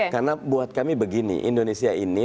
karena buat kami begini indonesia ini